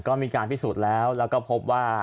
ก็มีการพิสูจน์แล้วแล้วก็พบว่า